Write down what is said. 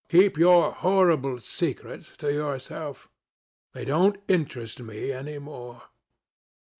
Keep your horrible secrets to yourself. They don't interest me any more."